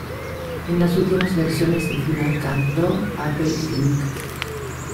En las últimas versiones de Final Cut Pro, Apple Inc.